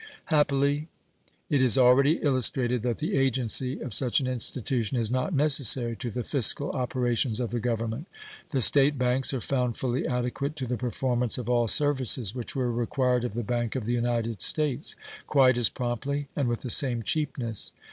Happily it is already illustrated that the agency of such an institution is not necessary to the fiscal operations of the Government. The State banks are found fully adequate to the performance of all services which were required of the Bank of the United States, quite as promptly and with the same cheapness.